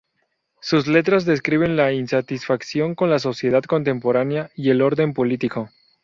Sus letras describen la insatisfacción con la sociedad contemporánea y el orden político.